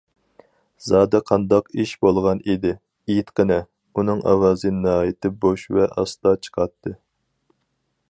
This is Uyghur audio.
زادى قانداق ئىش بولغان ئىدى، ئېيتقىنە؟ ئۇنىڭ ئاۋازى ناھايىتى بوش ۋە ئاستا چىقاتتى.